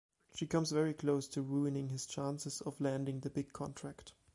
She comes very close to ruining his chances of landing the big contract.